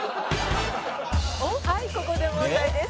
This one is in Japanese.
「はいここで問題です」